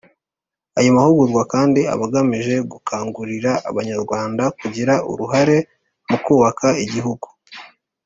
ayo mahugurwa kandi aba agamije gukangurira abanyarwanda kugira uruhare mu kubaka igihugu